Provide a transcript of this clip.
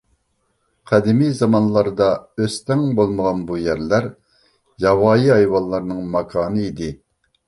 قەدىمىي زامانلاردا ئۆستەڭ بولمىغان بۇ يەرلەر ياۋايى ھايۋانلارنىڭ ماكانى ئىدى.